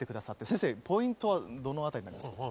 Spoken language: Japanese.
先生ポイントはどの辺りになりますか？